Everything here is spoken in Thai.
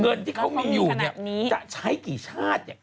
เงินที่เขามีอยู่เนี่ยจะใช้กี่ชาติเนี่ย